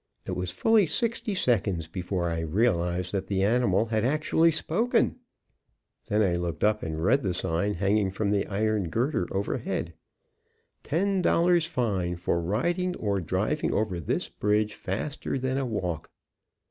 It was fully sixty seconds before I realized that the animal had actually spoken; then I looked up and read the sign hanging from the iron girder overhead, "Ten dollars fine for riding or driving over this bridge faster than a walk."